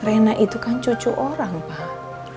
rena itu kan cucu orang pak